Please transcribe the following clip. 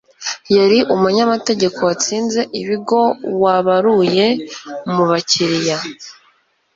Yari umunyamategeko watsinze ibigo wabaruye mubakiriya